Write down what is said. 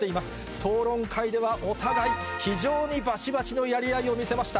討論会ではお互い非常にばちばちのやり合いを見せました。